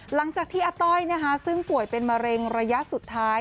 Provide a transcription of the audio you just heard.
หลังจากที่อาต้อยซึ่งป่วยเป็นมะเร็งระยะสุดท้าย